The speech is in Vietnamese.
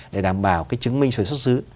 để đảm bảo cái chứng minh xuất xứ